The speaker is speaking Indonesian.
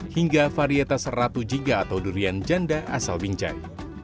hingga varietas ratu jiga atau durian janda asal binjai